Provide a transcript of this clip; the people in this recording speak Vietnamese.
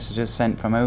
phần truyền thông qua